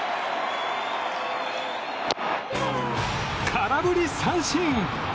空振り三振。